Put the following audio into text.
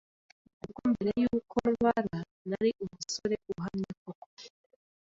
kuko mbere yuko ndwara nari umusore uhamye koko